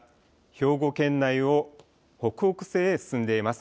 兵庫県内を北北西へ進んでいます。